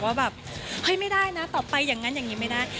ว่าแบบเฮ้ยไม่ได้นะต่อไปอย่างนั้นอย่างนี้ไม่ได้